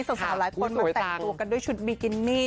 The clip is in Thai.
สาวหลายคนมาแต่งตัวกันด้วยชุดบิกินี่